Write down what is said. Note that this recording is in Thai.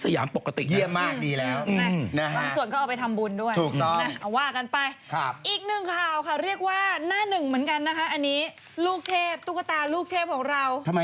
สวัสดีค่ะยุ้ยอยู่มั้ยคะ